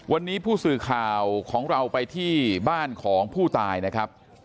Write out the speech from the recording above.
วันนี้ผู้สื่อข่าวของเราไปที่บ้านของผู้ตายนะครับ